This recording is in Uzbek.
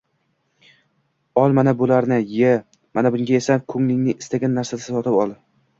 Ol, mana bularni, ye! Mana bunga esa ko'ngling istagan narsani sotib ol.